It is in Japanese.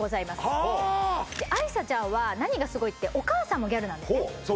あいさちゃんは何がすごいってママもギャルです